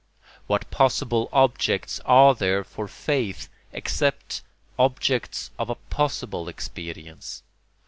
What possible objects are there for faith except objects of a possible experience?